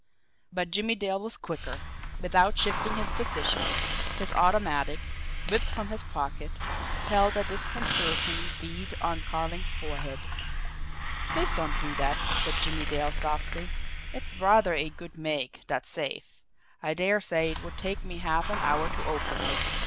But Jimmie Dale was quicker without shifting his position, his automatic, whipped from his pocket, held a disconcerting bead on Carling's forehead. "Please don't do that," said Jimmie Dale softly. "It's rather a good make, that safe. I dare say it would take me half an hour to open it.